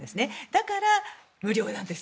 だから、無料なんです。